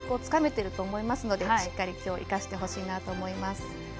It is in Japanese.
昨日、試合をして感覚をつかめていると思いますのでしっかり今日生かしてほしいなと思います。